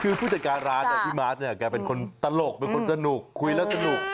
คือผู้จัดการร้านพี่มาร์ทเนี่ยแกเป็นคนตลกเป็นคนสนุกคุยแล้วสนุก